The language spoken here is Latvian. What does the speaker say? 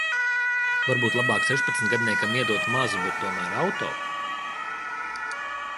Varbūt labāk sešpadsmitgadniekam iedot mazu, bet tomēr auto.